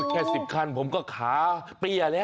แค่๑๐ขั้นผมก็ขาเปียแล้ว